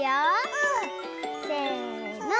うん！せの！